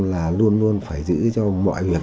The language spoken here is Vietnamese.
là luôn luôn phải giữ cho mọi việc